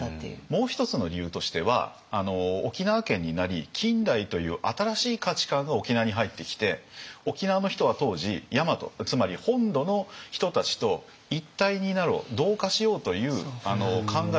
もう一つの理由としては沖縄県になり近代という新しい価値観が沖縄に入ってきて沖縄の人は当時大和つまり本土の人たちと一体になろう同化しようという考えがすごくあって。